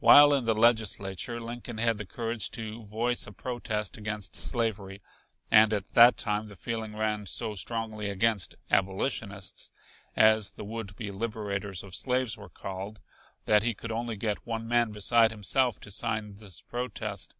While in the Legislature Lincoln had the courage to voice a protest against slavery, and at that time the feeling ran so strongly against "abolitionists," as the would be liberators of slaves were called, that he could only get one man beside himself to sign this protest.